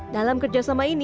dalam kerjasama ini